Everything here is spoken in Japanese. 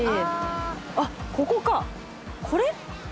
あっここかこれ？